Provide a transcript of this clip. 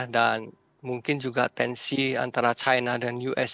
dan mungkin juga tensi antara china dan us